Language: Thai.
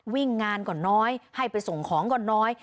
วิ่งงานก่อนน้อยให้ไปส่งของก็น้อย